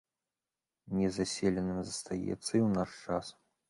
Незаселеным застаецца і ў наш час.